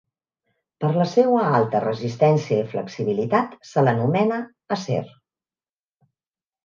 Per la seua alta resistència i flexibilitat se l'anomena acer